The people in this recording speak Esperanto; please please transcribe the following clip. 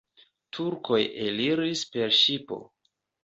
Turkoj eliris per ŝipo.